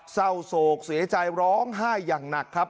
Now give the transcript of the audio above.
เศร้าโศกเสียใจร้องไห้อย่างหนักครับ